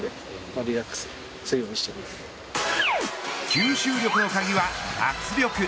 吸収力の鍵は脱力。